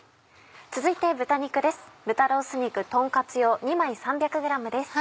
続いて豚肉です。